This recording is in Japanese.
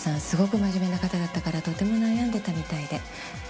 すごく真面目な方だったからとても悩んでたみたいで。